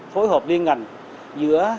phối hợp liên ngành giữa